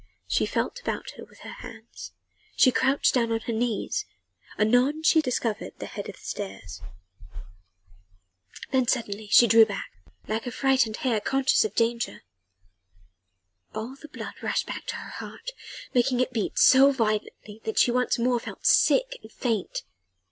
She felt about her with her hands, she crouched down on her knees: anon she discovered the head of the stairs. Then suddenly she drew back, like a frightened hare conscious of danger. All the blood rushed back to her heart, making it beat so violently that she once more felt sick and faint.